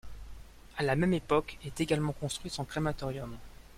À la même époque est également construit son crématorium.